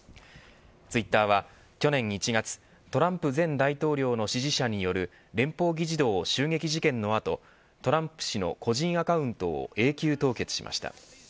ツイッターは去年１月トランプ前大統領の支持者による連邦議事堂襲撃事件の後トランプ氏の個人アカウントを永久凍結しました。